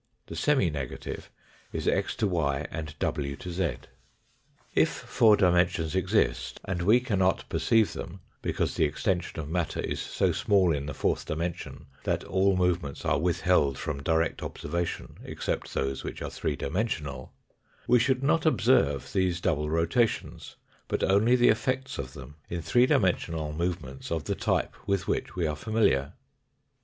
The semi negative is x to y and w to z. feECAPlTtTLAflON AND EXTENSION 223 If four dimensions exist and we cannot perceive them, because the extension of matter is so small in the fourth dimension that all movements are withheld from direct observation except those which are three dimensional, we should not observe these double rotations, but only the effects of them in three dimensional movements of the type with which we are familiar.